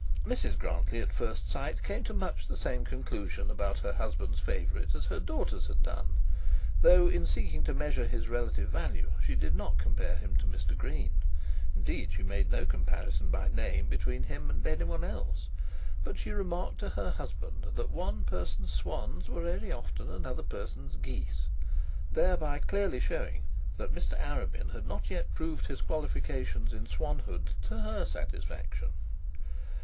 Mrs Grantly at first sight came to much the same conclusion about her husband's favourite as her daughters had done, though, in seeking to measure his relative value, she did not compare him to Mr Green; indeed, she made no comparison by name between him and any one else; but she remarked to her husband that one person's swans were very often another person's geese, thereby clearly showing that Mr Arabin had not yet proved his qualifications in swanhood to her satisfaction.